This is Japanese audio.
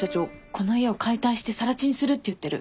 この家を解体してさら地にするって言ってる。